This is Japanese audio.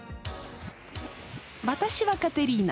私はカテリーナ。